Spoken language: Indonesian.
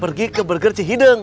pergi ke burger cih hideng